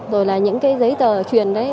rồi là những cái giấy tờ truyền đấy